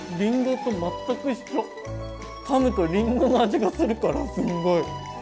かむとりんごの味がするからすんごい。